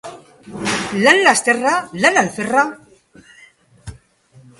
Lan lasterra, lan alferra.